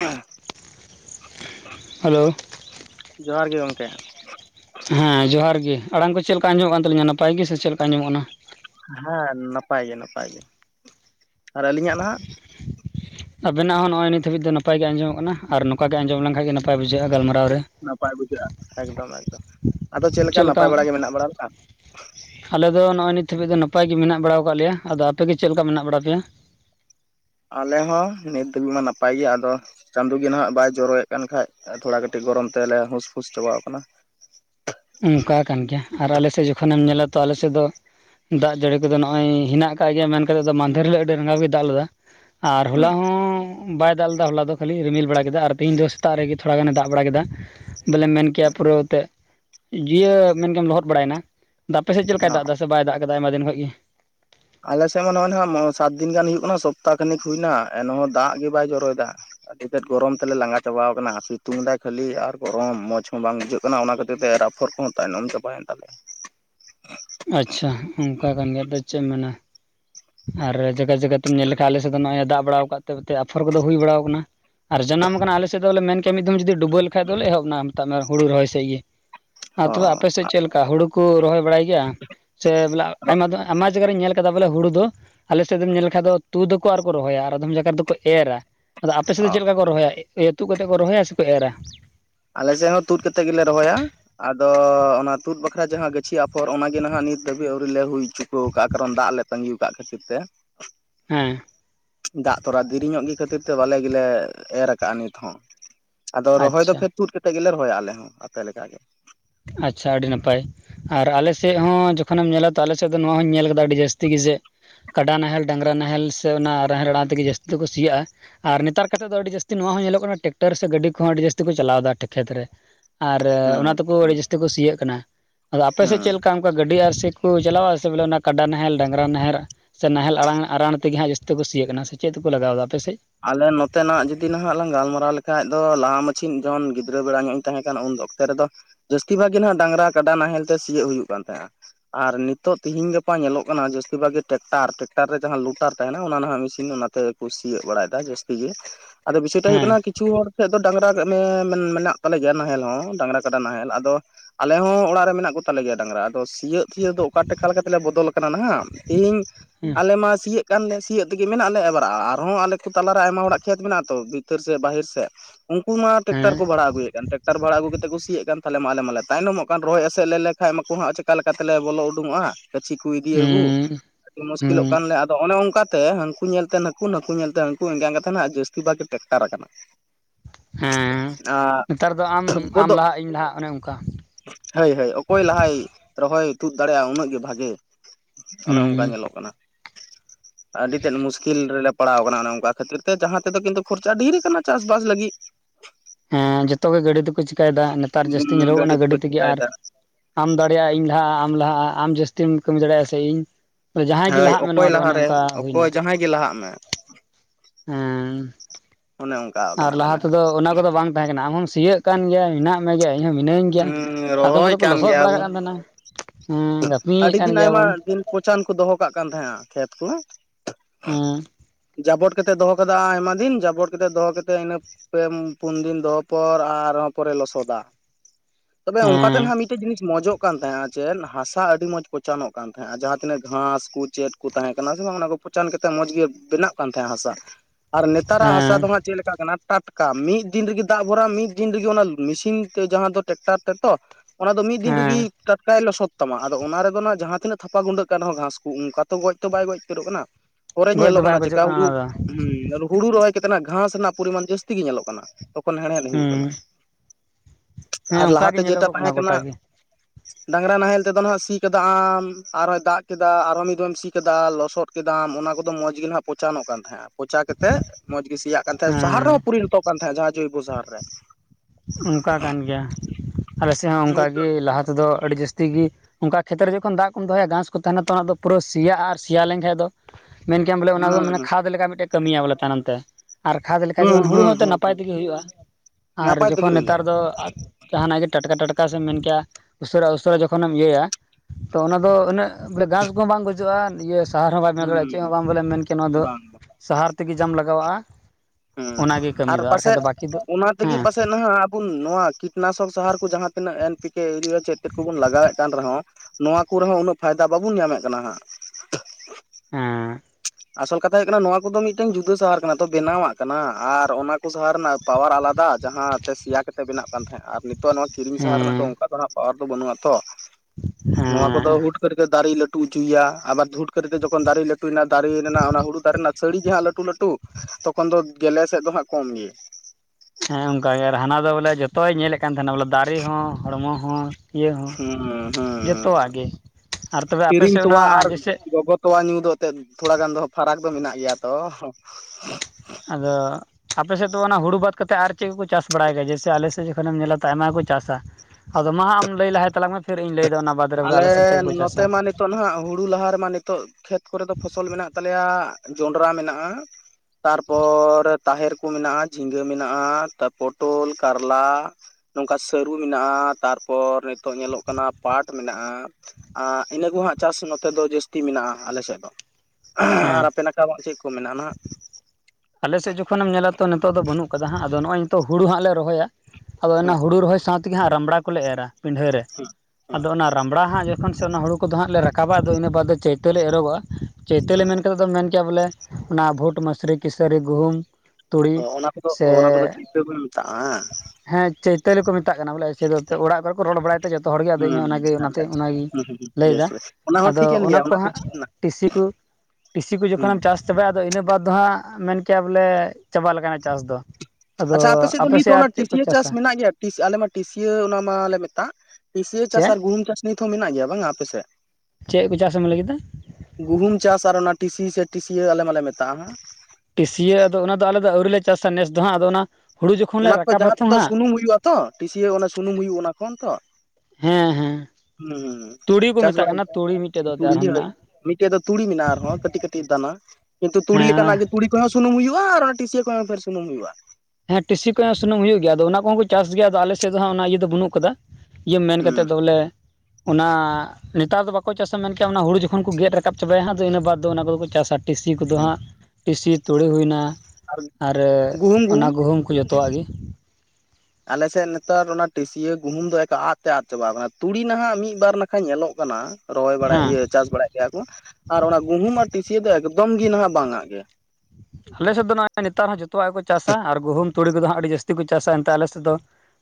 ᱦᱮᱸ ᱦᱮᱞᱳ ᱡᱚᱦᱟᱨ ᱜᱮ ᱜᱚᱢᱠᱮ ᱦᱮᱸ ᱡᱚᱦᱟᱨ ᱜᱮ ᱟᱲᱟᱝ ᱠᱚ ᱪᱮᱫ ᱞᱮᱠᱟ ᱟᱸᱡᱚᱢᱚᱜ ᱠᱟᱱ ᱛᱟᱹᱞᱤᱧᱟ ᱱᱟᱯᱟᱭ ᱜᱮ ᱥᱮ ᱪᱮᱫ ᱞᱮᱠᱟ ᱟᱸᱡᱚᱢᱚᱜ ᱠᱟᱱᱟ? ᱦᱮᱸ ᱱᱟᱯᱟᱭ ᱜᱮ ᱱᱟᱯᱟᱭ ᱜᱮ ᱟᱨ ᱟᱹᱞᱤᱧᱟᱜ ᱱᱟᱦᱟᱜ ᱟᱵᱮᱱᱟᱜ ᱦᱚᱸ ᱱᱚᱜ-ᱚᱭ ᱱᱤᱛ ᱦᱟᱹᱵᱤᱡ ᱫᱚ ᱱᱟᱯᱟᱭ ᱜᱮ ᱟᱸᱡᱚᱢᱚᱜ ᱠᱟᱱᱟ ᱟᱨ ᱱᱚᱝ ᱠᱟ ᱜᱮ ᱟᱸᱡᱚᱢᱚᱜ ᱞᱮᱱ ᱠᱷᱟᱱ ᱜᱮ ᱱᱟᱯᱟᱭ ᱵᱩᱡᱷᱟᱹᱜ-ᱟ᱾ ᱱᱟᱯᱟᱭ ᱵᱩᱡᱷᱟᱹᱜ-ᱟ ᱮᱠᱫᱚᱢ ᱮᱠᱫᱚᱢ ᱟᱫᱚ ᱪᱮᱫᱞᱮᱠᱟ ᱪᱮᱫ ᱱᱟᱯᱟᱭ ᱞᱮᱠᱟ ᱵᱟᱲᱟ ᱜᱮ ᱢᱮᱱᱟᱜ ᱵᱟᱲᱟ ᱵᱚᱱᱟ? ᱱᱤᱫ ᱫᱷᱟᱹᱵᱤᱡ ᱫᱚ ᱱᱟᱯᱟᱭ ᱜᱮ ᱢᱮᱱᱟᱜ ᱵᱟᱲᱟ ᱟᱠᱟᱫ ᱞᱮᱭᱟ ᱟᱫᱚ ᱟᱯᱮᱜᱮ ᱪᱮᱫ ᱞᱮᱠᱟ ᱢᱮᱱᱟᱜ ᱵᱟᱲᱟ ᱯᱮᱭᱟ? ᱟᱞᱮ ᱦᱚᱸ ᱱᱤᱛ ᱫᱷᱟᱹᱵᱤᱡ ᱢᱟ ᱱᱟᱯᱟᱭ ᱜᱮ ᱟᱫᱚ ᱪᱟᱸᱫᱳ ᱜᱮ ᱱᱟᱦᱟᱜ ᱵᱟᱭ ᱡᱚᱨᱚᱭᱮᱫ ᱠᱟᱱ ᱠᱷᱟᱡ ᱛᱷᱚᱲᱟ ᱠᱟᱹᱴᱤᱡ ᱜᱚᱨᱚᱢ ᱛᱮᱞᱮ ᱦᱩᱥᱯᱷᱩᱥ ᱪᱟᱵᱟᱣ ᱟᱠᱟᱱᱟ ᱚᱱᱠᱟ ᱠᱟᱱ ᱜᱮᱭᱟ ᱟᱨ ᱟᱞᱮᱥᱮᱫ ᱡᱚᱠᱷᱚᱱᱮᱢ ᱧᱮᱞᱟ ᱛᱚ ᱟᱞᱮᱥᱮᱫ ᱫᱚ ᱫᱟᱜ ᱡᱟᱹᱲᱤ ᱠᱚᱫᱚ ᱱᱚᱜ-ᱚᱚᱭ ᱦᱮᱱᱟᱜ ᱟᱠᱟᱜ ᱜᱮᱭᱟ ᱢᱮᱱᱠᱷᱟᱱ ᱫᱚ ᱢᱟᱸᱦᱫᱮᱨ ᱦᱤᱞᱚᱜ ᱟᱹᱰᱤ ᱨᱟᱸᱜᱟᱣ ᱜᱮᱭ ᱫᱟᱜ ᱞᱮᱫᱟ᱾ ᱟᱨ ᱦᱚᱞᱟ ᱦᱩᱸ ᱦᱚᱸ᱾ ᱵᱟᱭ ᱫᱟᱜ ᱞᱮᱫᱟ ᱦᱚᱞᱟ ᱫᱚ ᱠᱷᱟᱹᱞᱤ ᱨᱤᱢᱤᱞ ᱵᱟᱲᱟ ᱠᱮᱫᱟ ᱟᱨ ᱛᱮᱦᱤᱧ ᱫᱚ ᱥᱮᱛᱟᱜ ᱨᱮᱜᱮ ᱛᱷᱚᱲᱟ ᱜᱟᱱᱮ ᱫᱟᱜ ᱵᱟᱲᱟ ᱠᱮᱫᱟ ᱵᱚᱞᱮ ᱢᱮᱱ ᱠᱮᱭᱟ ᱯᱩᱨᱟᱹᱣ ᱛᱮ ᱡᱤᱭᱟᱹ ᱢᱮᱱᱠᱷᱟᱮᱢ ᱞᱚᱦᱚᱫ ᱵᱟᱲᱟᱭᱮᱱᱟ ᱟᱯᱮ ᱥᱮᱫ ᱪᱮᱫ ᱞᱮᱠᱟᱭ ᱫᱟᱜ ᱮᱫᱟ ᱥᱮ ᱵᱟᱭ ᱫᱟᱜ ᱟᱠᱟᱫᱟ ᱟᱭᱢᱟ ᱫᱤᱱ ᱠᱷᱚᱱ ᱜᱮ ᱟᱞᱮᱥᱮᱫ ᱢᱟ ᱱᱚᱜ-ᱚᱭ ᱱᱚᱣᱟ ᱥᱟᱛ ᱫᱤᱱ ᱜᱟᱱ ᱦᱳᱭᱳᱜ ᱠᱟᱱᱟ ᱥᱚᱯᱛᱟᱦ ᱠᱷᱟᱹᱱᱤᱠ ᱦᱩᱭ ᱮᱱᱟ ᱮᱱᱦᱚᱸ ᱫᱟᱜ ᱜᱮ ᱵᱟᱭ ᱡᱚᱨᱚᱭᱮᱫᱟ᱾ ᱟᱹᱰᱤ ᱛᱮᱫ ᱜᱚᱨᱚᱢ ᱛᱮᱞᱮ ᱞᱟᱸᱜᱟ ᱪᱟᱵᱟᱣ ᱟᱠᱟᱱᱟ ᱥᱤᱛᱩᱝ ᱫᱟᱭ ᱠᱷᱟᱹᱞᱤ ᱟᱨ ᱜᱚᱨᱚᱢ ᱢᱚᱸᱡᱽ ᱦᱚᱸ ᱵᱟᱝ ᱵᱩᱡᱷᱟᱹᱜ ᱠᱟᱱᱟ ᱚᱱᱟ ᱠᱷᱟᱹᱛᱤᱨ ᱛᱮ ᱟᱯᱷᱚᱨ ᱠᱚᱦᱚᱸ ᱛᱟᱭᱱᱚᱢ ᱪᱟᱵᱟᱭᱮᱱ ᱛᱟᱞᱮᱭᱟ᱾ ᱟᱪᱪᱷᱟ ᱚᱱᱠᱟ ᱠᱟᱱ ᱜᱮᱭᱟ ᱟᱫᱚ ᱪᱮᱫ ᱮᱢ ᱢᱮᱱᱟ ᱟᱨ ᱡᱟᱭᱜᱟ ᱡᱟᱜᱟ ᱛᱮᱢ ᱧᱮᱞ ᱞᱮᱠᱷᱟᱱ ᱟᱞᱮ ᱥᱮᱫ ᱫᱚ ᱱᱚᱜ-ᱚᱭ ᱫᱟᱜ ᱵᱟᱲᱟᱣ ᱟᱠᱟᱫ ᱛᱮ ᱟᱯᱷᱚᱨ ᱠᱚᱫᱚ ᱦᱩᱭ ᱵᱟᱲᱟᱣ ᱠᱟᱱᱟ᱾ ᱟᱨ ᱡᱟᱱᱟᱢ ᱟᱠᱟᱱᱟ ᱟᱞᱮ ᱥᱮᱫ ᱫᱚᱞᱮ ᱢᱮᱱ ᱠᱮᱭᱟ ᱢᱤᱫᱚᱢ ᱡᱩᱫᱤ ᱰᱩᱵᱟᱹ ᱞᱮᱠᱷᱟᱡ ᱫᱚᱞᱮ ᱮᱦᱚᱵ ᱮᱱᱟ ᱦᱩᱲᱩ ᱨᱚᱦᱚᱭ ᱥᱮᱡ ᱜᱮ᱾ ᱟᱨ ᱛᱚᱵᱮ ᱟᱯᱮ ᱦᱚᱸ ᱥᱮᱫ ᱪᱮᱫ ᱞᱮᱠᱟ ᱦᱩᱲᱩ ᱠᱚ ᱨᱚᱦᱚᱭ ᱵᱟᱲᱟᱭ ᱜᱮᱭᱟ ᱥᱮ ᱵᱚᱞᱮ ᱟᱭᱢᱟ ᱟᱭᱢᱟ ᱟᱭᱢᱟ ᱡᱟᱭᱜᱟ ᱨᱮᱧ ᱧᱮᱞ ᱟᱠᱟᱫᱟ ᱵᱚᱞᱮ ᱦᱩᱲᱩ ᱫᱚ ᱟᱞᱮ ᱥᱮᱫᱚᱢ ᱧᱮᱞ ᱞᱮᱠᱷᱟᱡ ᱫᱚ ᱛᱩᱫ ᱚᱠᱚ ᱟᱨᱠᱚ ᱨᱚᱦᱚᱭ-ᱟ ᱟᱨ ᱟᱫᱷᱚᱢ ᱡᱚᱠᱷᱟᱡ ᱨᱮ ᱫᱚᱠᱚ ᱮᱨᱟ ᱟᱫᱚ ᱟᱯᱮ ᱥᱮᱫ ᱫᱚ ᱚ ᱪᱮᱫ ᱞᱮᱠᱟ ᱠᱚ ᱨᱚᱦᱚᱭᱟ ᱟᱹᱛᱩᱜ ᱠᱟᱛᱮᱮᱫ ᱠᱚ ᱨᱚᱦᱚᱭᱟ ᱥᱮᱠᱚ ᱮᱨᱟ? ᱟᱞᱮᱥᱮᱫ ᱦᱚᱸ ᱛᱩᱫ ᱠᱟᱛᱮᱜ ᱜᱮᱞᱮ ᱨᱚᱦᱚᱭᱟ ᱟᱫᱚ ᱚᱱᱟ ᱛᱩᱫ ᱵᱟᱠᱷᱨᱟ ᱡᱟᱦᱟᱸ ᱜᱟᱹᱪᱷᱤ ᱟᱯᱷᱚᱨ ᱚᱱᱟᱜᱮ ᱱᱟᱦᱟᱜ ᱱᱤᱛ ᱫᱷᱟᱹᱵᱤᱡ ᱟᱹᱣᱨᱤ ᱞᱮ ᱦᱩᱭ ᱦᱚᱪᱚ ᱠᱟᱫ-ᱟ ᱠᱟᱨᱚᱱ ᱫᱟᱜ ᱞᱮ ᱛᱟᱸᱜᱤ ᱟᱠᱟᱫ ᱠᱷᱟᱹᱛᱤᱨ ᱛᱮ ᱦᱮᱸ ᱫᱟᱜ ᱛᱚᱨᱟ ᱫᱮᱨᱤ ᱧᱚᱜ ᱜᱮ ᱠᱷᱟᱹᱛᱤᱨ ᱛᱮ ᱵᱟᱞᱮ ᱜᱮᱞᱮ ᱮᱨ ᱠᱟᱜ-ᱟ ᱱᱤᱛᱦᱚᱸ᱾ ᱟᱫᱚ ᱨᱚᱦᱚᱭ ᱫᱚ ᱟᱪᱪᱷᱟ ᱯᱷᱮᱨ ᱛᱩᱫ ᱠᱟᱛᱮᱫ ᱜᱮᱞᱮ ᱨᱚᱦᱚᱭᱟ ᱟᱞᱮ ᱦᱚᱸ ᱟᱯᱮ ᱞᱮᱠᱟ ᱜᱮ᱾ ᱟᱪᱪᱷᱟ ᱟᱹᱰᱤ ᱱᱟᱯᱟᱭ᱾ ᱟᱨ ᱟᱞᱮᱥᱮᱫ ᱦᱚᱸ ᱡᱚᱠᱷᱚᱱᱮᱢ ᱧᱮᱞᱟ ᱛᱚ ᱟᱞᱮ ᱥᱮᱫ ᱫᱚ ᱱᱚᱣᱟ ᱦᱚᱸᱧ ᱧᱮᱞ ᱟᱠᱟᱫᱟ ᱟᱹᱰᱤ ᱡᱟᱹᱥᱛᱤ ᱜᱮᱡᱮ ᱠᱟᱰᱟ ᱱᱟᱦᱮᱞ ᱰᱟᱝᱨᱟ ᱱᱟᱦᱮᱞ ᱥᱮ ᱚᱱᱟ ᱱᱟᱦᱮᱞ ᱟᱲᱟ ᱛᱮᱜᱮ ᱡᱟᱹᱥᱛᱤ ᱫᱚᱠᱚ ᱥᱤ ᱭᱟᱜ-ᱟ ᱟᱨ ᱱᱮᱛᱟᱨ ᱠᱟᱛᱮᱫ ᱫᱚ ᱟᱹᱰᱤ ᱡᱟᱹᱥᱛᱤ ᱱᱚᱣᱟ ᱦᱚᱸ ᱧᱮᱞᱚᱜ ᱠᱟᱱᱟ ᱴᱨᱟᱠᱴᱟᱨ ᱥᱮ ᱜᱟᱹᱰᱤ ᱠᱚᱦᱚ ᱟᱹᱰᱤ ᱡᱟᱹᱥᱛᱤ ᱠᱚ ᱪᱟᱞᱟᱣᱮᱫᱟ ᱠᱷᱮᱛ ᱨᱮ᱾ ᱟᱨ ᱦᱩᱸ ᱚᱱᱟ ᱛᱮᱠᱚ ᱟᱹᱰᱤ ᱦᱩᱸ ᱡᱟᱹᱥᱛᱤ ᱠᱚ ᱥᱤ ᱭᱟᱹᱜ ᱠᱟᱱᱟ ᱟᱫᱚ ᱟᱯᱮᱥᱮᱫ ᱪᱮᱫ ᱞᱮᱠᱟ ᱚᱱᱠᱟ ᱜᱟᱹᱰᱤ ᱟᱨ ᱛᱮ ᱠᱚ ᱪᱟᱞᱟᱣ-ᱟ ᱥᱮ ᱵᱚᱞᱮ ᱚᱱᱟ ᱠᱟᱰᱟ ᱱᱟᱦᱮᱞ ᱰᱟᱝᱨᱟ ᱱᱟᱦᱮᱞ ᱥᱮ ᱱᱟᱦᱮᱞ ᱟᱲᱟ ᱟᱲᱟ ᱛᱮᱜᱮ ᱦᱟᱸᱜ ᱡᱟᱹᱥᱛᱤ ᱠᱚ ᱥᱤᱭᱟᱹᱜ ᱠᱟᱱᱟ ᱥᱮ ᱪᱮᱫ ᱛᱮᱠᱚ ᱞᱟᱜᱟᱣ ᱮᱫᱟ ᱟᱯᱮ ᱥᱮᱡ? ᱟᱞᱮ ᱱᱚᱛᱮᱱᱟᱜ ᱡᱩᱫᱤ ᱱᱟᱦᱟᱜ ᱞᱟᱝ ᱜᱟᱞᱢᱟᱨᱟᱣ ᱞᱮᱠᱷᱟᱡ ᱫᱚ ᱞᱟᱦᱟ [unintelligible] ᱡᱚᱱ ᱜᱤᱫᱽᱨᱟᱹ ᱵᱮᱲᱟ ᱧᱚᱜ ᱤᱧ ᱛᱟᱦᱮᱸ ᱠᱟᱱ ᱩᱱ ᱚᱠᱛᱮ ᱨᱮᱫᱚ ᱡᱟᱹᱥᱛᱤ ᱵᱷᱟᱜ ᱜᱮ ᱱᱟᱜ ᱰᱟᱝᱨᱟ ᱠᱟᱰᱟ ᱱᱟᱦᱮᱞ ᱛᱮ ᱥᱤᱭᱳᱜ ᱦᱩᱭᱩᱜ ᱠᱟᱱ ᱛᱟᱸᱦᱮᱜᱼᱟ ᱾ ᱟᱨ ᱱᱤᱛᱚᱜ ᱛᱤᱦᱤᱧ ᱜᱟᱯᱟ ᱧᱮᱞᱚᱜ ᱠᱟᱱᱟ ᱡᱟᱹᱥᱛᱤ ᱵᱷᱟᱜ ᱜᱮ ᱴᱮᱠᱴᱟᱨ ᱴᱮᱠᱴᱟᱨ ᱨᱮ ᱡᱟᱦᱟᱸ ᱞᱩᱴᱟᱨ ᱛᱟᱦᱮᱱᱟ ᱚᱱᱟ ᱱᱟᱦᱟᱜ ᱢᱮᱥᱤᱱ ᱚᱱᱟᱛᱮ ᱠᱩ ᱥᱤᱸᱭᱚᱜ ᱵᱟᱲᱟᱭᱮᱫᱟ ᱡᱟᱹᱥᱛᱤ ᱜᱮ ᱟᱫᱚ ᱵᱤᱥᱚᱭᱴᱟᱜ ᱦᱩᱭᱩᱜ ᱦᱮᱸ ᱠᱟᱱᱟ ᱠᱤᱪᱷᱩ ᱦᱚᱲ ᱴᱷᱮᱜ ᱫᱚ ᱰᱟᱝᱨᱟ [unintelligible] ᱢᱮᱱᱟᱜ ᱛᱟᱞᱮ ᱜᱮᱭᱟ ᱱᱟᱦᱮᱞ ᱦᱚᱸ ᱰᱟᱝᱨᱟ ᱠᱟᱰᱟ ᱱᱟᱦᱮᱞ ᱟᱫᱚ ᱟᱞᱮ ᱦᱚᱸ ᱚᱲᱟᱜ ᱨᱮ ᱢᱮᱱᱟᱜ ᱠᱚ ᱛᱟᱞᱮ ᱜᱮᱭᱟ ᱰᱟᱝᱨᱟ ᱟᱫᱚ ᱥᱤᱭᱳᱜ [unintelligible] ᱫᱚ ᱚᱠᱟ [unintelligible] ᱞᱮᱠᱟᱛᱮᱞᱮ ᱵᱚᱫᱚᱞ ᱟᱠᱟᱱᱟ ᱱᱟᱦᱟᱜ ᱤᱧ ᱤᱧ ᱦᱮᱸ ᱟᱞᱮ ᱢᱟ ᱥᱤᱭᱳᱜ ᱠᱟᱱ ᱞᱮ [unintelligible] [unintelligible] ᱛᱤᱜᱤ ᱢᱮᱱᱟᱜ ᱞᱮ ᱮᱵᱟᱨ [unintelligible] ᱟᱨᱦᱚᱸ ᱟᱞᱮ ᱠᱚ ᱛᱟᱞᱟᱨᱮ ᱟᱭᱢᱟ ᱦᱚᱲᱟᱜ ᱠᱷᱮᱛ ᱢᱮᱱᱟᱜᱼᱟ ᱛᱚ ᱵᱷᱤᱛᱟᱹᱨ ᱥᱮᱜ ᱵᱟᱦᱮᱨ ᱥᱮᱜ ᱩᱱᱠᱩ ᱢᱟ ᱴᱮᱠᱴᱟᱨ ᱠᱚ ᱦᱮᱸ ᱵᱷᱟᱲᱟ ᱟᱹᱜᱩᱭᱮᱫ ᱠᱟᱱ [unintelligible] [unintelligible] ᱠᱟᱛᱮ ᱠᱚ ᱥᱤᱭᱮᱜ ᱠᱟᱱ ᱛᱟᱦᱚᱞᱮ ᱢᱟ ᱟᱞᱮ ᱢᱟᱞᱮ ᱛᱟᱭᱱᱚᱢᱚᱜ ᱠᱟᱱ ᱨᱚᱦᱚᱭ ᱮᱥᱮᱫ ᱞᱮ ᱞᱮᱠᱷᱟᱭ ᱢᱟᱠᱩ ᱦᱟᱸᱜ ᱪᱮᱠᱟ ᱞᱮᱠᱟ ᱛᱮᱞᱮ ᱵᱚᱞᱚ ᱩᱰᱩᱱᱚᱜᱼᱟ᱾ ᱜᱟᱹᱪᱷᱤ ᱠᱩ ᱤᱫᱤ ᱟᱜᱩ [unintelligible] ᱢᱩᱥᱠᱤᱞᱚᱜ ᱦᱮᱸ ᱠᱟᱱ ᱞᱮ ᱟᱫᱚ ᱚᱱᱮ ᱚᱱᱠᱟᱛᱮ ᱦᱟᱹᱱᱠᱩ ᱧᱮᱞᱛᱮ ᱱᱟᱹᱠᱩ ᱱᱟᱹᱠᱩ ᱧᱮᱞᱛᱮ ᱦᱟᱹᱱᱠᱩ [unintelligible] ᱡᱟᱹᱥᱛᱤ ᱵᱷᱟᱜ ᱜᱮ ᱴᱮᱠᱴᱟᱨ ᱟᱠᱟᱱᱟ ᱦᱮᱸ ᱱᱮᱛᱟᱨ [inaudible] ᱫᱚ ᱟᱢ ᱟᱢ ᱞᱟᱦᱟᱜ ᱤᱧ ᱞᱟᱦᱟᱜ ᱚᱱᱮ ᱚᱱᱠᱟ [unintelligible] ᱦᱳᱭ ᱦᱳᱭ ᱚᱠᱚᱭ ᱞᱟᱦᱟᱭ ᱨᱚᱦᱚᱭ ᱛᱩᱫ ᱫᱟᱲᱮᱭᱟᱜᱼᱟ ᱩᱱᱟᱹᱜ ᱜᱮ ᱵᱷᱟᱜᱮ ᱚᱱᱮ ᱚᱱᱠᱟ ᱦᱩᱸ ᱧᱮᱞᱚᱜ ᱠᱟᱱᱟ᱾ ᱟᱹᱰᱤ ᱛᱮᱫ ᱢᱩᱥᱠᱤᱞ ᱨᱮᱞᱮ ᱯᱟᱲᱟᱣ ᱟᱠᱟᱱᱟ ᱚᱱᱮ ᱚᱱᱠᱟ ᱾ ᱠᱷᱟᱹᱛᱤᱨ ᱛᱮ ᱡᱟᱦᱟᱸ ᱛᱮᱫᱚ ᱠᱤᱱᱛᱩ ᱠᱷᱚᱨᱪᱟ ᱰᱷᱮᱨ ᱟᱠᱟᱱᱟ ᱪᱟᱥᱵᱟᱥ ᱞᱟᱹᱜᱤᱫ ᱾ ᱦᱮᱸ ᱡᱚᱛᱚ ᱜᱮ ᱜᱟᱹᱰᱤ ᱛᱮᱠᱚ ᱪᱮᱠᱟᱭ ᱫᱟ ᱱᱮᱛᱟᱨ ᱡᱟᱹᱥᱛᱤ ᱧᱮᱞᱚᱜᱚᱜ ᱠᱟᱱᱟ ᱜᱟᱹᱰᱤ ᱛᱮᱠᱚ ᱛᱤᱜᱤ ᱟᱨ ᱪᱤᱠᱟᱹᱭᱮᱫᱟ ᱟᱢ ᱫᱟᱲᱮᱭᱟᱜᱼᱟ ᱤᱧ ᱞᱟᱦᱟᱜᱼᱟ ᱟᱢ ᱞᱟᱦᱟᱜᱼᱟ ᱟᱢ ᱡᱟᱹᱥᱛᱤᱢ ᱠᱟᱹᱢᱤ ᱫᱟᱲᱮᱭᱟᱜᱼᱟ ᱥᱮ ᱤᱧ ᱡᱟᱦᱟᱸᱭ ᱜᱮ ᱦᱳᱭ ᱞᱟᱦᱟᱜ ᱢᱮ ᱚᱠᱚᱭ ᱱᱚᱣᱟ ᱫᱚ ᱚᱱᱮ ᱞᱟᱦᱟᱨᱮ ᱚᱱᱠᱟ ᱦᱩᱭᱱᱟ ᱚᱠᱚᱭ ᱾ ᱡᱟᱦᱟᱸᱭ ᱜᱮ ᱞᱟᱦᱟᱜ ᱢᱮ [unintelligible] ᱚᱱᱮ ᱚᱱᱠᱟ ᱟᱨ ᱠᱟᱱᱟᱞᱮ ᱞᱟᱦᱟ ᱱᱟᱦᱟᱜ ᱛᱮᱫᱚ ᱚᱱᱟ ᱠᱚᱫᱚ ᱵᱟᱝ ᱛᱟᱦᱮᱸ ᱠᱟᱱᱟ ᱟᱢ ᱦᱚᱸᱢ ᱥᱤᱸᱭᱳᱜ ᱠᱟᱱ ᱜᱮᱭᱟ ᱢᱮᱱᱟᱜ ᱢᱮ ᱜᱮᱭᱟ᱾ ᱤᱧ ᱦᱚᱸ ᱢᱤᱹᱧ ᱜᱮᱭᱟ ᱦᱩᱸ ᱟᱫᱚᱢ ᱨᱚᱦᱚᱭ ᱠᱚᱫᱚ ᱠᱚ ᱠᱟᱱ ᱞᱚᱥᱚᱫ ᱵᱟᱲᱟ ᱠᱟᱜ ᱜᱮᱭᱟᱵᱚᱱ ᱠᱟᱱ ᱛᱟᱦᱮᱱᱟ᱾ ᱦᱮᱸ ᱜᱟᱹᱯᱷᱱᱤᱭᱮᱫ ᱟᱹᱰᱤ ᱠᱟᱱ ᱫᱤᱱ ᱟᱭᱢᱟ ᱜᱮᱭᱟᱵᱚᱱ ᱫᱤᱱ ᱯᱚᱪᱟᱱ ᱠᱚ ᱫᱚᱦᱚ ᱠᱟᱜ ᱠᱟᱱ ᱛᱟᱦᱮᱸᱜᱼᱟ᱾ ᱠᱷᱮᱛ ᱠᱚ ᱦᱩ ᱠᱟᱛᱮ ᱫᱚᱦᱚ ᱠᱟᱫᱟᱭ ᱟᱭᱢᱟ ᱫᱤᱱ ᱡᱟᱵᱚᱴ ᱠᱟᱛᱮ ᱫᱚᱦᱚ ᱠᱟᱛᱮ ᱤᱱᱟᱹ ᱯᱮ ᱯᱩᱱ ᱫᱤᱱ ᱫᱚᱦᱚ ᱯᱚᱨ ᱟᱨᱦᱚᱸ ᱯᱚᱨᱮ ᱞᱚᱥᱚᱫᱟ ᱛᱚᱵᱮ ᱚᱱᱠᱟᱛᱮ ᱦᱮᱸ ᱱᱟᱦᱟᱜ ᱢᱤᱫᱴᱮᱡ ᱡᱤᱱᱤᱥ ᱢᱚᱸᱡᱚᱜ ᱠᱟᱱ ᱛᱟᱦᱮᱸᱜᱼᱟ᱾ ᱪᱮᱫ ᱦᱟᱥᱟ ᱟᱹᱰᱤ ᱢᱚᱸᱡᱽ ᱯᱚᱪᱟᱱᱚᱜ ᱠᱟᱱ ᱛᱟᱦᱮᱸᱜᱼᱟ ᱟᱨ ᱡᱟᱦᱟᱸ ᱛᱤᱱᱟᱹᱜ ᱜᱷᱟᱸᱥ ᱠᱚ ᱪᱮᱫ ᱠᱚ ᱛᱟᱦᱮᱸ ᱠᱟᱱᱟ᱾ ᱚᱱᱟᱠᱚ ᱯᱚᱪᱟᱱ ᱠᱟᱛᱮᱫ ᱢᱚᱸᱡᱽ ᱜᱤ ᱵᱮᱱᱟᱜ ᱠᱟᱱ ᱛᱟᱦᱮᱸᱜᱼᱟ᱾ ᱦᱟᱥᱟ ᱟᱨ ᱱᱮᱛᱟᱨᱟᱜ ᱦᱟᱥᱟ ᱦᱮᱸ ᱫᱚ ᱦᱟᱸᱜ ᱪᱮᱫ ᱞᱮᱠᱟᱜ ᱠᱟᱱᱟ᱾ ᱴᱟᱴᱠᱟ ᱢᱤᱫ ᱫᱤᱱ ᱨᱮᱜᱤ ᱫᱟᱜ ᱵᱷᱚᱨᱟᱣ ᱢᱤᱫ ᱫᱤᱱ ᱨᱮᱜᱤ ᱚᱱᱟ ᱢᱤᱥᱤᱱ ᱛᱮ ᱡᱟᱦᱟᱸ ᱫᱚ ᱴᱮᱠᱴᱟᱨ ᱛᱮᱛᱚ ᱚᱱᱟ ᱫᱚ ᱢᱤᱫ ᱫᱤᱱ ᱦᱮᱸ ᱨᱤᱜᱤ ᱴᱟᱴᱠᱟᱭ ᱞᱚᱥᱚᱫ ᱛᱟᱢᱟ ᱟᱫᱚ ᱚᱱᱟ ᱨᱮᱫᱚ ᱱᱟᱜ ᱡᱟᱦᱟᱸ ᱛᱤᱱᱟᱹᱜ ᱛᱷᱟᱯᱟ ᱜᱩᱰᱟᱹᱜ ᱠᱟᱱ ᱨᱮᱦᱚᱸ ᱜᱷᱟᱥ ᱠᱚ ᱚᱱᱠᱟ ᱛᱚ ᱜᱚᱡ ᱛᱚ ᱵᱟᱭ ᱜᱚᱡ ᱩᱛᱟᱹᱨᱚᱜ ᱠᱟᱱᱟ᱾ ᱯᱚᱨᱮ ᱜᱚᱡ ᱧᱮᱞᱚᱜ ᱫᱚ ᱵᱟᱭ ᱠᱟᱱᱟ ᱜᱚᱡᱚᱜ ᱪᱮᱠᱟ ᱦᱩᱲᱩ ᱚᱱᱟ ᱫᱚ ᱦᱩᱸᱦᱩᱲᱩ ᱨᱚᱦᱚᱭ ᱠᱟᱛᱮ ᱱᱟᱜ ᱜᱷᱟᱥ ᱨᱮᱱᱟᱜ ᱯᱚᱨᱤᱢᱟᱱ ᱡᱟᱹᱥᱛᱤ ᱜᱤ ᱧᱮᱞᱚᱜ ᱠᱟᱱᱟ᱾ ᱛᱚᱠᱷᱚᱱ ᱦᱮᱲᱦᱮᱫ ᱦᱩᱭᱩᱜ ᱠᱟᱱᱟ ᱦᱮᱸ ᱾ ᱦᱮᱸ ᱟᱨ ᱚᱱᱠᱟ ᱜᱮ ᱞᱟᱦᱟᱛᱮ ᱡᱮᱴᱟ ᱧᱮᱞᱚᱜᱚᱜ ᱛᱟᱦᱮᱸ ᱠᱟᱱᱟ ᱜᱚᱴᱟ ᱜᱮ ᱰᱟᱝᱨᱟ ᱱᱟᱦᱮᱞ ᱛᱮᱫᱚ ᱱᱟᱜ ᱥᱤ ᱠᱮᱫᱟᱢ ᱟᱨ ᱦᱚᱸᱭ ᱫᱟᱜ ᱠᱮᱫᱟ ᱟᱨᱦᱚᱸ ᱢᱤᱫ ᱫᱚᱢᱮᱢ ᱥᱤ ᱠᱮᱫᱟ ᱞᱚᱥᱚᱫ ᱠᱮᱫᱟᱢ ᱚᱱᱟ ᱠᱚᱫᱚ ᱢᱚᱸᱡᱽ ᱜᱮ ᱛᱤᱱᱟᱹᱜ ᱯᱚᱪᱟᱱᱚᱜ ᱠᱟᱱ ᱛᱟᱦᱮᱸᱫᱼᱟ᱾ ᱯᱚᱪᱟ ᱠᱟᱛᱮ ᱢᱚᱸᱡᱽ ᱜᱮ ᱥᱮᱭᱟᱜ ᱠᱟᱱ ᱛᱟᱦᱮᱸᱜ ᱦᱮᱸ ᱡᱟᱦᱟᱸ ᱡᱚᱭᱵᱚ ᱥᱟᱨ ᱨᱮ ᱚᱱᱠᱟ ᱠᱟᱱ ᱜᱮᱭᱟ ᱟᱞᱮ ᱥᱮᱜ ᱦᱚᱸ ᱚᱱᱠᱟᱜᱤ ᱱᱤᱛᱚᱜ ᱞᱟᱦᱟ ᱛᱮ ᱫᱚ ᱟᱹᱰᱤ ᱡᱟᱹᱥᱛᱤ ᱜᱤ ᱚᱱᱠᱟ ᱠᱷᱮᱛᱨᱮ ᱨᱮ ᱡᱚᱠᱷᱚᱱ ᱫᱟᱜ ᱠᱚᱢ ᱫᱚᱦᱚᱭᱟ ᱜᱷᱟᱸᱥ ᱠᱚ ᱛᱟᱦᱮᱱᱟ᱾ ᱛᱚ ᱯᱩᱨᱟᱹ ᱥᱮᱭᱟᱜᱼᱟ ᱟᱨ ᱥᱮᱭᱟ ᱞᱮᱱᱠᱷᱟᱡ ᱫᱚ ᱢᱮᱱᱠᱷᱟᱢ ᱵᱚᱞᱮ ᱚᱱᱟ ᱫᱚ ᱢᱟᱱᱮ ᱦᱩᱸ ᱠᱷᱟᱫᱽ ᱞᱮᱠᱟᱭ ᱢᱤᱫᱴᱮᱱ ᱠᱟᱹᱢᱤᱭᱟ ᱵᱚᱞᱮ ᱛᱟᱭᱱᱚᱢ ᱛᱮ ᱟᱨ ᱠᱷᱟᱫᱽ ᱞᱮᱠᱟ ᱦᱩᱸ ᱡᱮᱢᱚᱱ ᱦᱩᱲᱩ ᱦᱩᱸ ᱦᱚᱸᱛᱚ ᱦᱩᱸ ᱱᱟᱯᱟᱭ ᱦᱩᱸ ᱛᱮᱜᱮ ᱦᱩᱭᱩᱜᱼᱟ ᱟᱨ ᱱᱟᱯᱟᱭ ᱛᱮᱜᱮ ᱡᱚᱠᱷᱚᱱ ᱦᱩᱭᱩᱜᱼᱟ ᱱᱮᱛᱟᱨ ᱫᱚ ᱟᱨ ᱡᱟᱦᱟᱸᱱᱟᱜ ᱜᱮ ᱴᱟᱴᱠᱟ ᱴᱟᱴᱠᱟ ᱥᱮᱢ ᱢᱮᱱ ᱠᱮᱭᱟ ᱩᱥᱟᱹᱨᱟ ᱩᱥᱟᱹᱨᱟ ᱡᱚᱠᱷᱚᱱᱮᱢ ᱤᱭᱟᱹᱭᱟ ᱛᱚ ᱚᱱᱟᱫᱚ ᱩᱱᱟᱹᱜ ᱵᱚᱞᱮ ᱜᱷᱟᱥᱠᱚ ᱵᱟᱝ ᱜᱚᱡᱚᱜᱼᱟ᱾ ᱥᱟᱦᱟᱨ ᱦᱚᱸ ᱵᱟᱢ ᱢᱮᱱ ᱦᱩᱸ ᱫᱟᱲᱮᱭᱟᱜᱼᱟ ᱾ ᱪᱮᱫ ᱦᱚᱸ ᱵᱟᱢ ᱵᱚᱞᱮᱢ ᱢᱮᱱ ᱠᱮᱭᱟ ᱱᱚᱣᱟ ᱫᱚ ᱵᱟᱝ ᱵᱟᱝ ᱥᱟᱦᱟᱨ ᱛᱮᱜᱮ ᱡᱟᱢ ᱞᱟᱜᱟᱣᱟᱜᱼᱟ᱾ ᱚᱱᱟᱜᱮ ᱠᱟᱹᱢᱤ ᱫᱚ ᱟᱨ ᱠᱷᱟᱡ ᱫᱚ ᱵᱟᱠᱤ ᱫᱚ ᱛᱮᱜᱤ ᱦᱮᱸ ᱯᱟᱥᱮᱡ ᱱᱟᱦᱟᱜ ᱟᱵᱚ ᱱᱚᱣᱟ ᱠᱤᱴᱱᱟᱥᱚᱠ ᱥᱟᱦᱟᱨ ᱠᱚ ᱡᱟᱦᱟᱸ ᱛᱤᱱᱟᱹᱜ ᱮᱱ ᱯᱤᱠᱨᱤᱭᱟ ᱪᱮᱫ ᱪᱮᱫ ᱠᱚᱵᱚᱱ ᱞᱟᱜᱟᱣᱮᱫ ᱠᱟᱱ ᱨᱮᱦᱚᱸ ᱱᱚᱣᱟᱠᱚ ᱨᱮᱦᱚᱸ ᱩᱱᱟᱹᱜ ᱯᱷᱟᱭᱫᱟ ᱵᱟᱵᱩᱱ ᱧᱟᱢᱮᱫ ᱠᱟᱱᱟ ᱦᱟᱸᱜ᱾ [unintelligible] ᱦᱮ ᱟᱥᱚᱞ ᱠᱟᱛᱷᱟ ᱦᱩᱭᱩᱜ ᱠᱟᱱᱟ᱾ ᱱᱚᱣᱟ ᱠᱚᱫᱚ ᱢᱤᱫᱴᱟᱝ ᱡᱩᱫᱟᱹ ᱥᱟᱦᱟᱨ ᱠᱟᱱᱟ ᱛᱚ ᱵᱮᱱᱟᱣᱟᱜ ᱠᱟᱱᱟ ᱟᱨ ᱚᱱᱟ ᱠᱚ ᱥᱟᱦᱟᱨ ᱨᱮᱱᱟᱜ ᱯᱟᱣᱟᱨ ᱟᱞᱟᱫᱟ ᱡᱟᱦᱟᱸ ᱛᱮ ᱥᱮᱭᱟ ᱠᱟᱛᱮ ᱵᱮᱱᱟᱜ ᱠᱟᱱ ᱛᱟᱦᱮᱸᱫ ᱟᱨ ᱱᱤᱛ ᱛᱚ ᱱᱚᱣᱟ ᱠᱤᱨᱤᱧ ᱥᱟᱨ ᱨᱮᱱᱟᱜ ᱫᱚ ᱦᱮᱸ ᱚᱱᱠᱟ ᱫᱚ ᱦᱟᱜ ᱯᱟᱣᱟᱨ ᱫᱚ ᱵᱟᱹᱱᱩᱜᱼᱟ᱾ ᱛᱚ ᱱᱚᱣᱟ ᱠᱚᱫᱚ ᱦᱮᱸ ᱦᱩᱴ ᱠᱟᱹᱨᱤᱛᱮ ᱫᱟᱨᱮ ᱞᱟᱹᱴᱩ ᱞᱟᱹᱴᱩ ᱦᱚᱪᱚᱭ ᱭᱟ ᱵᱟᱨᱷᱩᱴ ᱠᱟᱛᱮ ᱡᱚᱠᱷᱚᱱ ᱫᱟᱨᱮᱭ ᱞᱟᱹᱴᱩᱭᱮᱱᱟ᱾ ᱫᱟᱨᱮ ᱨᱮᱱᱟᱜ ᱦᱩᱲᱩ ᱫᱟᱨᱮ ᱨᱮᱱᱟᱜ ᱥᱟᱹᱲᱤ ᱡᱟᱦᱟ ᱞᱟᱹᱴᱩ ᱞᱟᱹᱴᱩ ᱛᱚᱠᱷᱚᱱ ᱫᱚ ᱜᱮᱞᱮ ᱥᱮᱫ ᱫᱚ ᱦᱟᱸᱜ ᱠᱚᱢ ᱜᱮ ᱦᱮᱸ ᱚᱱᱠᱟ ᱜᱮ ᱟᱨ ᱦᱟᱱᱟ ᱫᱚ ᱵᱚᱞᱮ ᱡᱚᱛᱚᱭ ᱧᱮᱞᱮᱫ ᱠᱟᱱ ᱛᱟᱦᱮᱱᱟ ᱵᱚᱞᱮ ᱫᱟᱨᱮ ᱦᱚᱸ ᱦᱚᱲᱢᱚ ᱦᱚᱸ ᱤᱭᱟᱹ ᱦᱚᱸ ᱦᱩᱸ ᱦᱩᱸ ᱦᱩᱸ ᱡᱚᱛᱚᱣᱟᱜ ᱜᱮ ᱟᱨ ᱛᱚᱵᱮ ᱠᱤᱨᱤᱧ ᱟᱯᱮᱥᱮᱫ ᱚᱱᱟ ᱛᱚᱣᱟ ᱟᱨ ᱡᱮᱭᱥᱮ ᱜᱚᱜᱚ ᱛᱚᱣᱟ ᱧᱩ ᱫᱚ ᱮᱱᱛᱮᱫ ᱛᱷᱚᱲᱟ ᱜᱟᱱ ᱫᱚ ᱯᱷᱟᱨᱟᱠ ᱫᱚ ᱢᱮᱱᱟᱜ ᱜᱮᱭᱟ ᱛᱚ᱾ ᱟᱯᱮ ᱥᱮᱫ ᱫᱚ ᱚᱱᱟ ᱦᱩᱲᱩ ᱵᱟᱫ ᱠᱟᱛᱮᱫ ᱟᱨ ᱪᱮᱫ ᱠᱚᱠᱚ ᱪᱟᱥ ᱵᱟᱲᱟᱭ ᱜᱮᱭᱟ ᱡᱮᱭᱥᱮ ᱟᱞᱮ ᱥᱮᱫ ᱡᱚᱠᱷᱚᱱᱮᱢ ᱧᱮᱞᱟ ᱛᱚ ᱟᱭᱢᱟ ᱜᱮᱠᱚ ᱪᱟᱥᱟ ᱟᱫᱚ ᱢᱟ ᱦᱟᱸᱜ ᱟ ᱞᱟᱹᱭ ᱞᱟᱦᱟᱭ ᱛᱟᱞᱟ ᱢᱮ ᱯᱷᱤᱨ ᱤᱧ ᱞᱟᱹᱭᱮᱫᱟ ᱚᱱᱟ ᱵᱟᱫ ᱟᱞᱮ ᱱᱚᱛᱮ ᱢᱟ ᱱᱤᱛᱚᱜ ᱱᱟᱦᱟᱜ ᱦᱩᱲᱩ ᱞᱟᱦᱟ ᱨᱮᱢᱟ ᱱᱤᱛᱚᱜ ᱠᱷᱮᱛ ᱠᱚᱨᱮ ᱦᱚᱸ ᱯᱷᱚᱥᱚᱞ ᱢᱮᱱᱟᱜ ᱛᱟᱞᱮᱭᱟ ᱡᱚᱱᱰᱨᱟ ᱢᱮᱱᱟᱜᱼᱟ, ᱛᱟᱨᱯᱚᱨ ᱛᱟᱦᱮᱨ ᱠᱚ ᱢᱮᱱᱟᱜᱼᱟ, ᱡᱷᱤᱸᱜᱟᱹ ᱢᱮᱱᱟᱜᱼᱟ, ᱱᱛᱟ ᱯᱚᱴᱚᱞ ᱠᱟᱨᱞᱟ ᱱᱚᱝᱠᱟ ᱥᱟᱹᱨᱩ ᱢᱮᱱᱟᱜᱼᱟ᱾ ᱛᱟᱨᱯᱚᱨ ᱱᱤᱛᱚᱜ ᱧᱮᱞᱚᱜ ᱠᱟᱱᱟ᱾ ᱯᱟᱴ ᱢᱮᱱᱟᱜᱼᱟ ᱤᱱᱟᱹ ᱠᱚ ᱦᱜ ᱪᱟᱥ ᱱᱚᱛᱮ ᱫᱚ ᱡᱟᱹᱥᱛᱤ ᱢᱮᱱᱟᱜᱼᱟ ᱟᱞ ᱥᱮᱫ ᱫᱚ ᱟᱨ ᱟᱯᱮ ᱱᱟᱠᱟᱵ ᱪᱮᱫ ᱠᱚ ᱢᱮᱱᱟᱜᱼᱟ ᱱᱟᱦᱟᱜ ᱟᱞᱮ ᱥᱮᱫ ᱡᱚᱠᱷᱚᱱᱮᱢ ᱧᱮᱞᱟ ᱛᱚ ᱱᱤᱛᱳᱜ ᱫᱚ ᱵᱟᱹᱱᱩᱜ ᱠᱟᱫᱟ ᱦᱟᱸᱜ ᱟᱫᱚ ᱱᱚᱜᱼᱚᱭ ᱛᱚ ᱦᱳᱲᱩ ᱦᱟᱸᱜ ᱞᱮ ᱨᱚᱦᱚᱭᱟ ᱟᱫᱚ ᱚᱱᱟ ᱦᱩᱸ ᱦᱩᱲᱩ ᱨᱚᱦᱚᱭ ᱥᱟᱶᱛᱮᱜᱮ ᱦᱟᱸᱜ ᱨᱟᱢᱲᱟ ᱠᱚᱞᱮ ᱮᱨᱟ ᱯᱤᱰᱷᱟᱹ ᱨᱮ ᱦᱩᱸ ᱟᱫᱚ ᱚᱱᱟ ᱨᱟᱢᱵᱲᱟ ᱦᱟᱸᱜ ᱡᱚᱫᱤ ᱡᱚᱠᱷᱚᱱ ᱥᱮ ᱚᱱᱟ ᱦᱩᱲᱩ ᱠᱚᱫᱚ ᱦᱟᱸᱜ ᱞᱮ ᱨᱟᱠᱟᱵᱟ ᱟᱫᱚ ᱤᱱᱟᱹ ᱵᱟᱫ ᱫᱚ ᱪᱟᱹᱭᱛᱟᱹᱞ ᱞᱮ ᱮᱨᱚᱵᱚᱜᱼᱟ᱾ ᱪᱟᱹᱭᱛᱟᱹᱞ ᱞᱮ ᱦᱩᱸ ᱢᱮᱱ ᱠᱟᱛᱮ ᱫᱚ ᱢᱮᱱ ᱠᱮ ᱵᱚᱞᱮ ᱚᱱᱟ ᱵᱷᱩᱴ ᱢᱤᱥᱨᱤ ᱠᱤᱥᱟᱹᱨᱤ ᱜᱩᱦᱩᱢ ᱚ ᱛᱩᱲᱤ ᱚᱱᱟ ᱠᱚᱫᱚ ᱥᱮ ᱚᱱᱟ ᱠᱚᱫᱚ ᱪᱮᱫ ᱯᱮ ᱵᱚᱱ ᱢᱮᱛᱟᱜᱼᱟ ᱦᱮᱸ ᱪᱮᱫ? ᱥᱮᱛᱟᱜ ᱠᱟᱱᱟ ᱵᱚᱞᱮ ᱚᱲᱟᱜ ᱠᱚᱨᱮ ᱠᱚ ᱨᱚᱲ ᱵᱟᱲᱟᱭ ᱛᱮ ᱡᱚᱛᱚ ᱦᱚᱲ ᱜᱮ ᱟᱫᱚ ᱤᱧ ᱦᱩᱸ ᱚᱱᱟᱜᱮ ᱟᱪᱪᱷᱟ ᱚᱱᱟᱛᱮ ᱟᱪᱪᱷᱟ ᱚᱱᱟᱜᱤᱧ ᱦᱩᱸ ᱦᱩᱸ ᱵᱮᱥ ᱞᱟᱹᱭᱮᱫᱟ ᱵᱮᱥ ᱚᱱᱟ ᱦᱚᱸ ᱟᱫᱚ ᱴᱷᱤᱠᱟᱹᱱ ᱚᱱᱟ ᱜᱮᱭᱟ ᱠᱚ ᱦᱟᱸᱜ ᱪᱮᱫ ᱨᱮᱱᱟᱜ ᱴᱤᱥᱤ ᱠᱚ ᱴᱤᱥᱤ ᱠᱚ ᱦᱩᱸ ᱡᱚᱠᱷᱚᱱᱮᱢ ᱪᱟᱥ ᱪᱟᱵᱟᱭᱟ ᱟᱫᱚ ᱤᱱᱟᱹ ᱵᱟᱫᱽ ᱫᱚ ᱦᱟᱸᱜ ᱢᱮᱱ ᱠᱮᱭᱟ ᱵᱚᱞᱮ ᱪᱟᱵᱟ ᱠᱟᱱᱟ ᱪᱟᱥ ᱫᱚ ᱟᱫᱚ ᱟᱪᱷᱟ ᱟᱯᱮ ᱥᱮᱫ ᱫᱚ ᱱᱤᱛ ᱦᱚᱸ ᱟᱨ ᱚᱱᱟ ᱪᱮᱫ ᱠᱚ ᱴᱤᱥᱤᱭ ᱪᱟᱥ ᱪᱟᱥᱟ ᱢᱮᱱᱟᱜ ᱜᱮᱭᱟ. ᱟᱞᱮ ᱢᱟ ᱴᱤᱥᱤᱭᱟ. ᱚᱱᱟ ᱢᱟᱞᱮ ᱢᱮᱛᱟᱜ ᱴᱤᱥᱤᱭ ᱪᱟᱥ ᱪᱮᱫ ᱟᱨ ᱜᱩᱦᱩᱢ ᱪᱟᱥ ᱱᱤᱛ ᱦᱚᱸ ᱢᱮᱱᱟᱜ ᱜᱮᱭᱟ ᱵᱟᱝᱟ ᱟᱯᱮᱥᱮᱫ? ᱪᱮᱫ ᱠᱚ ᱪᱟᱥ ᱮᱢ ᱞᱟᱹᱭ ᱠᱮᱫᱟ? ᱜᱩᱦᱩᱢ ᱪᱟᱥ ᱟᱨ ᱚᱱᱟ ᱴᱤᱥᱤ ᱥᱮ ᱴᱤᱥᱤ ᱟᱞᱮ ᱢᱟᱞᱮ ᱢᱮᱛᱟᱜᱼᱟ ᱦᱟᱸᱜ ᱴᱤᱥᱭᱟ. ᱟᱫᱚ ᱚᱱᱟᱫᱚ ᱟᱞᱮ ᱫᱚ ᱟᱹᱣᱨᱤ ᱞᱮ ᱪᱟᱥᱟ ᱱᱮᱥ ᱫᱚ ᱦᱟᱸᱜ ᱟᱫᱚ ᱚᱱᱟ ᱦᱩᱲᱩ ᱡᱚᱠᱷᱚᱱ ᱞᱮ ᱚᱱᱟ ᱠᱚ ᱨᱟᱠᱟᱵᱟ ᱡᱟᱦᱟᱸ ᱛᱚ ᱛᱮᱫᱚ ᱦᱟᱸᱜ ᱥᱩᱱᱩᱢ ᱦᱩᱭᱩᱜ ᱟᱛᱚ ᱴᱤᱥᱤᱭᱟ. ᱚᱱᱟ ᱥᱩᱱᱩᱢ ᱦᱩᱭᱩᱜ ᱚᱱᱟ ᱠᱷᱚᱱ ᱛᱚ ᱦᱮᱸ ᱦᱮᱸ ᱦᱩᱸ ᱦᱩᱸ ᱛᱩᱲᱤ ᱠᱚ ᱢᱮᱛᱟᱜ ᱠᱟᱱᱟ ᱛᱩᱲᱤ ᱢᱤᱫ ᱴᱮᱡ ᱫᱚ ᱟᱨᱦᱚᱸ ᱢᱮᱱᱟᱜᱼᱟ ᱢᱤᱫ ᱴᱮᱡ ᱫᱚ ᱛᱩᱲᱤ ᱢᱮᱱᱟᱜᱼᱟ ᱟᱨᱦᱚᱸ ᱠᱟᱹᱴᱤᱡ ᱠᱟᱹᱴᱤᱡ ᱫᱟᱱᱟ ᱠᱤᱱᱛᱩ ᱛᱩᱲᱤ ᱦᱮᱸ ᱚᱱᱟ ᱞᱮᱠᱟᱱᱟᱜ ᱜᱮ ᱛᱩᱲᱤ ᱠᱷᱚᱱᱟᱜ ᱥᱩᱱᱩᱢ ᱦᱩᱭᱩᱜᱼᱟ ᱟᱨ ᱴᱤᱥᱤ ᱠᱷᱚᱱ ᱯᱷᱮᱨ ᱥᱩᱱᱩᱢ ᱦᱩᱭᱩᱜᱼᱟ ᱦᱮᱸ ᱴᱤᱥᱤ ᱠᱚᱦ ᱥᱩᱱᱩᱢ ᱦᱩᱭᱩᱜ ᱜᱮᱭᱟ ᱟᱫᱚ ᱚᱱᱟ ᱠᱚᱦᱚᱸ ᱠᱚ ᱪᱟᱥ ᱜᱮᱭᱟ ᱟᱫᱚ ᱟᱞᱮᱥᱮᱫ ᱫᱚ ᱦᱟᱸᱜ ᱚᱱᱟ ᱤᱭᱟᱹ ᱫᱚ ᱵᱟᱹᱱᱩᱜ ᱟᱠᱟᱫᱟ ᱤᱭᱟᱹ ᱢᱮᱱ ᱦᱩᱸ ᱠᱟᱛᱮᱫ ᱫᱚ ᱵᱚᱞᱮ ᱚᱱᱟ ᱱᱮᱛᱟᱨ ᱫᱚ ᱵᱟᱠᱚ ᱪᱟᱥᱟ ᱢᱮᱱᱠᱷᱟᱱ ᱚᱱᱟ ᱦᱩᱲᱩ ᱡᱚᱠᱷᱚᱱ ᱠᱚ ᱜᱮᱫ ᱨᱟᱠᱟᱵᱽ ᱪᱟᱵᱟᱭᱟ ᱟᱫᱚ ᱤᱱᱟᱹ ᱵᱟᱫᱽ ᱫᱚ ᱚᱱᱟ ᱠᱚᱫᱚ ᱠᱚ ᱪᱟᱥᱟ ᱴᱤᱥᱤ ᱠᱚᱫᱚ ᱦᱩᱸ ᱦᱟᱸᱜ ᱴᱤᱥᱤ ᱛᱩᱲᱤ ᱦᱩᱭᱱᱟ ᱟᱨ ᱚᱱᱟ ᱜᱩᱦᱩᱢ ᱠᱚ ᱡᱚᱛᱚᱣᱟᱜ ᱜᱮ ᱟᱞᱮᱥᱮᱫ ᱱᱮᱛᱟᱨ ᱚᱱᱟ ᱴᱤᱥᱤᱭᱟᱹ ᱜᱩᱦᱩᱢ ᱫᱚ ᱟᱫ ᱛᱮ ᱟᱫ ᱪᱟᱵᱟᱟᱣ ᱟᱠᱟᱱᱟ ᱛᱩᱲᱤ ᱱᱟᱦᱟᱜ ᱢᱤᱫᱵᱟᱨ ᱱᱟᱠᱷᱟ ᱧᱮᱞᱚᱜ ᱠᱟᱱᱟ ᱨᱚᱦᱚᱭ ᱵᱟᱲᱟᱭ ᱦᱮᱸ ᱪᱟᱥ ᱵᱟᱲᱟᱭ ᱜᱮᱭᱟ ᱠᱚ ᱟᱨ ᱚᱱᱟ ᱜᱩᱦᱩᱢ ᱢᱟᱴ ᱴᱤᱥᱤ ᱫᱚ ᱮᱠᱫᱚᱢ ᱜᱮ ᱱᱟᱦᱟᱜ ᱵᱟᱝ ᱟᱫ ᱜᱮ ᱟᱞᱮᱥᱮᱫ ᱫᱚ ᱱᱚᱜᱼᱚᱭ ᱱᱮᱛᱟᱨ ᱦᱚᱸ ᱡᱚᱛᱚᱣᱟᱜ ᱜᱮᱠᱚ ᱪᱟᱥᱟ ᱟᱨ ᱜᱩᱦᱩᱢ ᱛᱩᱲᱤ ᱠᱚᱫᱚ ᱦᱟᱸᱜ ᱟᱹᱰᱤ ᱡᱟᱹᱥᱛᱤ ᱠᱚ ᱪᱟᱥᱟ ᱮᱱᱛᱮ ᱟᱞᱮᱥ ᱥᱮᱫ ᱫᱚ